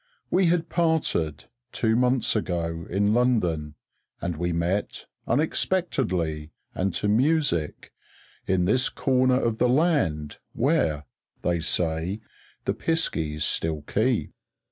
We had parted, two months ago, in London, and we met, unexpectedly and to music, in this corner of the land where (they say) the piskies still keep.